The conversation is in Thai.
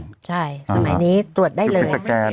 ใช่สมัยนี้ตรวจได้เลย